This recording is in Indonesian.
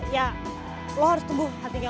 ya lo harus teguh hatinya